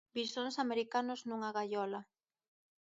Visóns americanos nunha gaiola.